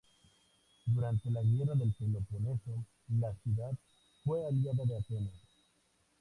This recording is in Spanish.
Durante la guerra del Peloponeso la ciudad fue aliada de Atenas.